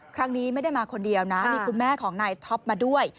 ครั้งนี้ไม่ได้มาคนเดียวนะมีคุณแม่ของนายท็อปมาด้วย